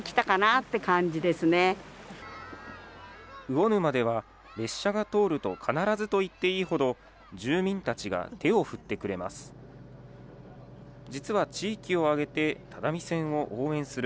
魚沼では、列車が通ると必ずといっていいほど、住民たちが手を振ってくれます。